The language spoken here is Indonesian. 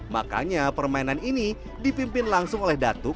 makanya permainan ini dipimpin langsung oleh datuk